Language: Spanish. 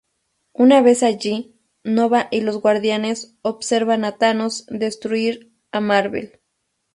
Una vez allí, Nova y los Guardianes observan a Thanos destruir a Mar-Vell.